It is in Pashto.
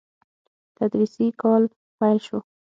تدريسي کال پيل شو.